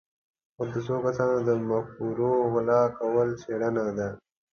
خو د څو کسانو د مفکورو غلا کول څېړنه ده.